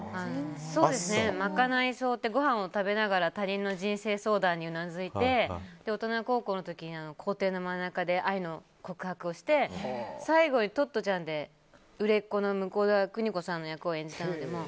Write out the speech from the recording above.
「まかない荘」ってごはんを食べながら他人の人生相談にうなずいて「オトナ高校」の時には校庭の真ん中で愛の告白をして最後に「トットちゃん！」で売れっ子の向田邦子さんの役を演じたので。